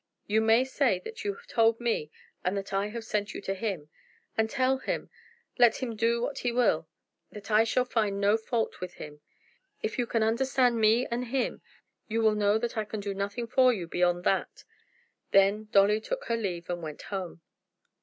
You may say that you have told me, and that I have sent you to him. And tell him, let him do what he will, that I shall find no fault with him. If you can understand me and him you will know that I can do nothing for you beyond that." Then Dolly took her leave and went home.